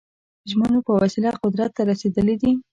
ژمنو په وسیله قدرت ته رسېدلي دي.